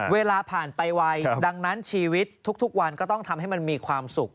เวลาผ่านไปไวดังนั้นชีวิตทุกวันก็ต้องทำให้มันมีความสุข